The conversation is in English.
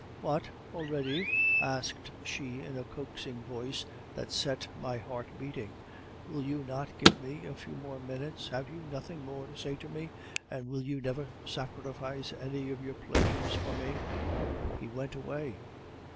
"'What! already?' asked she in a coaxing voice that set my heart beating. 'Will you not give me a few more minutes? Have you nothing more to say to me? will you never sacrifice any of your pleasures for me?' "He went away.